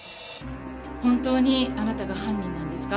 本当にあなたが犯人なんですか？